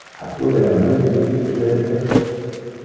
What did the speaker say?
Ha tu realmente vidite Peter?